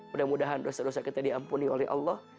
mudah mudahan dosa dosa kita diampuni oleh allah